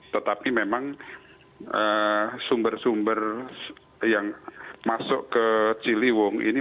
tetapi memang sumber sumber yang masuk ke ciliwung ini